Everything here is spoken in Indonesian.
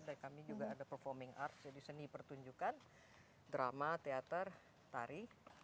dan kami juga ada performing arts jadi seni pertunjukan drama teater tari